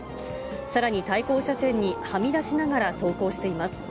さらに対向車線にはみ出しながら走行しています。